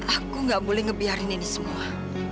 aku gak boleh ngebiarin ini semua